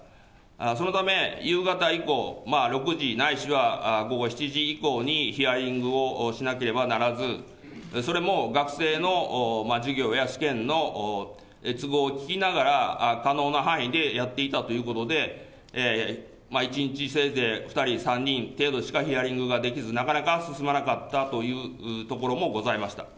そのため、夕方以降、６時ないしは午後７時以降にヒアリングをしなければならず、それも学生の授業や試験の都合を聞きながら、可能な範囲でやっていたということで、一日せいぜい２人、３人程度しかヒアリングができず、なかなか進まなかったというところもございました。